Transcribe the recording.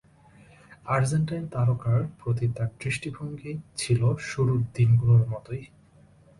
Argentine তারকার প্রতি তাঁর দৃষ্টিভঙ্গি ছিল সেই শুরুর দিন গুলোর মতোই।